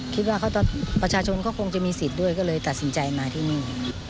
คิดว่าเขาพ่ออ่ะพ่อชาชนก็คงจะมีศิษฐ์ด้วยก็เลยตัดสินใจมาที่นี่